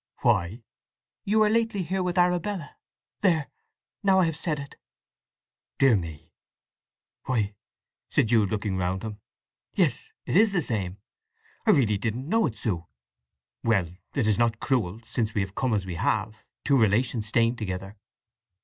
"Why?" "You were lately here with Arabella. There, now I have said it!" "Dear me, why—" said Jude looking round him. "Yes—it is the same! I really didn't know it, Sue. Well—it is not cruel, since we have come as we have—two relations staying together."